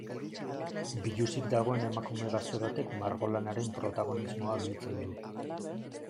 Biluzik dagoen emakume gazte batek margolanaren protagonismoa biltzen du.